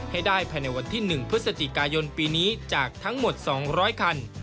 ให้ได้ภายในวันที่๑พฤศจิกายนปีนี้จากทั้งหมด๒๐๐คัน